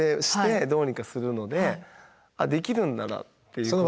してどうにかするのでできるんだなっていう。